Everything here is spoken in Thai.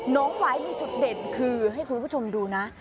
หวายมีจุดเด่นคือให้คุณผู้ชมดูนะ